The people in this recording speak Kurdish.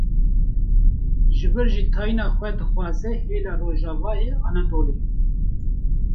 ji wir jî tayîna xwe dixwaze hêla rojavayê Anadolê